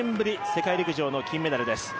世界陸上の金メダルです。